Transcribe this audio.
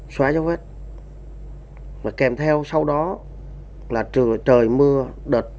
xóa dấu vết và kèm theo sau đó là trời mưa đợt